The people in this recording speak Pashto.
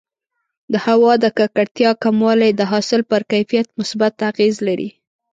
د هوا د ککړتیا کموالی د حاصل پر کیفیت مثبت اغېز لري.